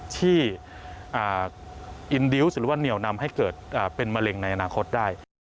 ที่อินดิวต์หรือว่าเหนียวนำให้เกิดเป็นมะเร็งในอนาคตได้